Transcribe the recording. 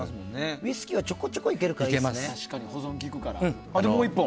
ウイスキーはちょこちょこいけるからいいよね。